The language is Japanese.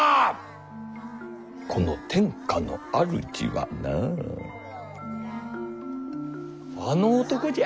この天下の主はなあの男じゃ。